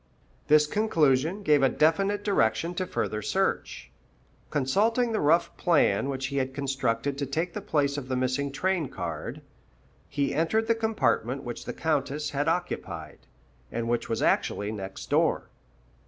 This conclusion gave a definite direction to further search. Consulting the rough plan which he had constructed to take the place of the missing train card, he entered the compartment which the Countess had occupied, and which was actually next door.